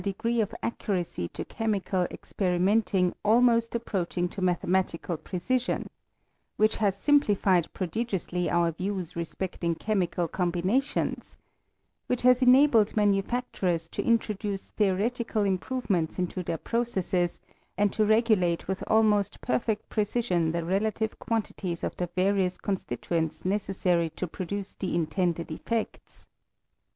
degree of accuracy to chemical experiment mg almost approaching to mathematical precision, which has simplified prodigiously our views respect ing chemical combinations ; which has enabled ma nufacturers to introduce theoretical improvements into their processes, and to regulate with almost perfect precision the relative quantities of the va*> rious constituents necessary to produce the intended effects.